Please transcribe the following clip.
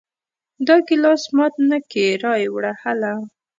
دا ګلاس مات نه کې را یې وړه هله!